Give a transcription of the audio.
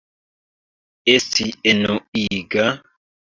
Esti enuiga?